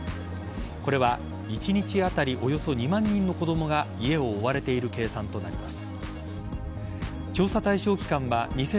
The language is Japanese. これは一日当たりおよそ２万人の子供が家を追われている計算となります。